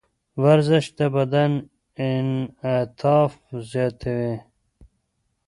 ورزش د بدن انعطاف زیاتوي.